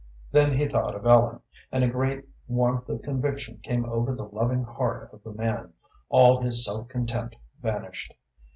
Then he thought of Ellen, and a great warmth of conviction came over the loving heart of the man; all his self contempt vanished.